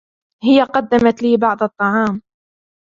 هي قدمت لي بعض الطعام.